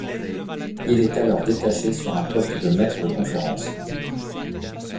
Il y est alors détaché sur un poste de maître de conférences.